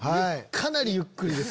かなりゆっくりで。